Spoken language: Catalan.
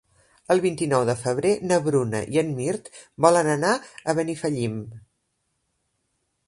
El vint-i-nou de febrer na Bruna i en Mirt volen anar a Benifallim.